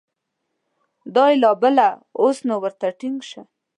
دا یې لا بله ، اوس نو ورته ټینګ شه !